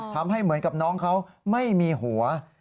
ทำให้เหมือนกับน้องเขาไม่มีหัว